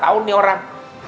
tahu nih orang